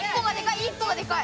１個がでかい。